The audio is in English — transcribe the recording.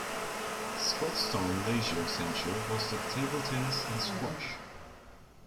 Scotstoun Leisure Centre hosted Table tennis and Squash.